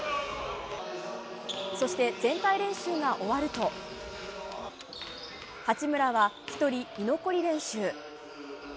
そして、全体練習が終わると八村は１人、居残り練習。